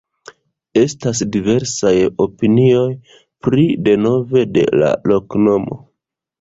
Estas diversaj opinioj pri deveno de la loknomo.